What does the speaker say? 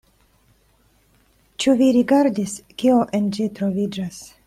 Ĉu vi rigardis, kio en ĝi troviĝas?